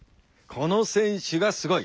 この選手がすごい。